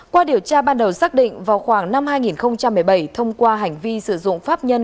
qua điều tra ban đầu xác định vào khoảng năm hai nghìn một mươi bảy thông qua hành vi sử dụng pháp nhân